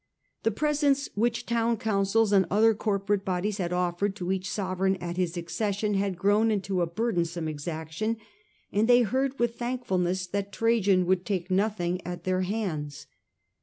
The presents which town councils and other corporate bodies had offered to each sovereign at his accession had grown into a bnrdensome exaction, and they heard with thank fulness that Trajan would take nothing at their hands.